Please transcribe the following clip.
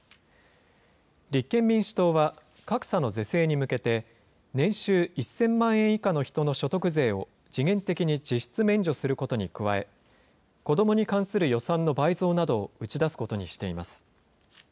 立憲民主党は、格差の是正に向けて、年収１０００万円以下の人の所得税を時限的に実質免除することに加え、子どもに関する予算の倍増などを打ち出すことにしています。